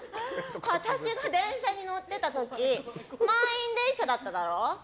私が電車に乗ってた時満員電車だっただろ？